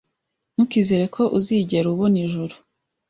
Ntukizere ko uzigera ubona Ijuru